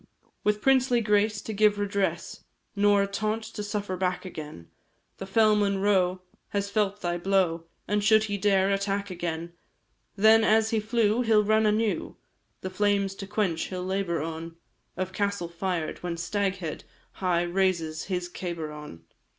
With princely grace to give redress, Nor a taunt to suffer back again; The fell Monro has felt thy blow, And should he dare attack again, Then as he flew, he 'll run anew, The flames to quench he 'll labour on, Of castle fired when Staghead High raises his cabar on!